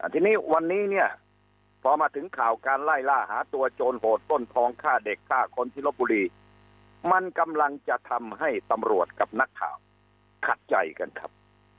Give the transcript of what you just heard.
ทีนี้วันนี้เนี่ยพอมาถึงข่าวการไล่ล่าหาตัวโจรโหดปล้นทองฆ่าเด็กฆ่าคนที่ลบบุรีมันกำลังจะทำให้ตำรวจกับนักข่าวขัดใจกันครับ